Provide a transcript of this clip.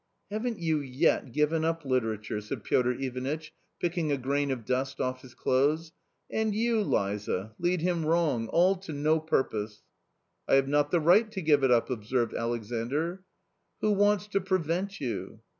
" Haven't you yet given up literature ?" said Piotr Ivanitch, picking a grain of dust off his clothes ;" and you, Liza, lead him wrong — all to no purpose !"" I have not the right to give it up," observed Alexandr. " Who wants to prevent you